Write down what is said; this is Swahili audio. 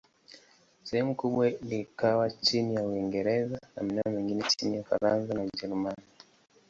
Sehemu kubwa likawa chini ya Uingereza, na maeneo mengine chini ya Ufaransa na Ujerumani.